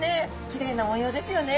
きれいな模様ですよね。